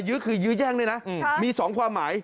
ื้อคือยื้อแย่งด้วยนะมี๒ความหมาย